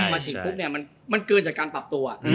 ฉิงปุ๊บเนี่ยมันเกินจากการปรับตัว